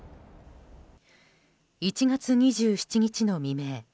１月２７日の未明